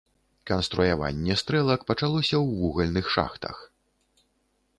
Канструяванне стрэлак пачалося ў вугальных шахтах.